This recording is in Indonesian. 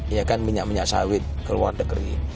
ya kan minyak minyak sawit ke luar negeri